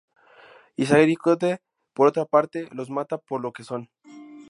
Iscariote, por otra parte, los mata por lo que "son".